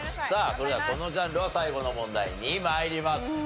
さあそれではこのジャンルは最後の問題に参ります。